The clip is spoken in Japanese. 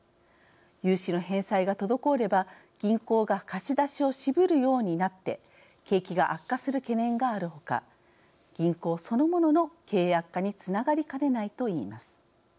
融資の返済が滞れば銀行が貸し出しを渋るようになって景気が悪化する懸念があるほか銀行そのものの経営悪化につながりかねないといいます。